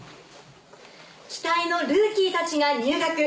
「期待のルーキーたちが入学。